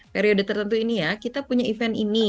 periode tertentu ini ya kita punya event ini